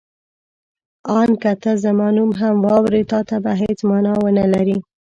آن که ته زما نوم هم واورې تا ته به هېڅ مانا ونه لري.